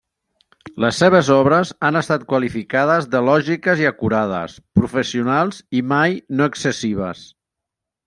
Les seves obres han estat qualificades de lògiques i acurades, professionals i mai no excessives.